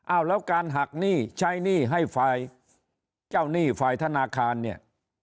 แล้วการหักหนี้ใช้หนี้ให้ฝ่ายเจ้าหนี้ฝ่ายธนาคารเนี่ย